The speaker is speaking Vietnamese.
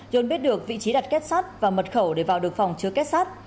yoon biết được vị trí đặt kết sát và mật khẩu để vào được phòng chứa kết sát